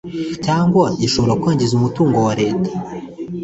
cyangwa gishobora kwangiza umutungo wa Leta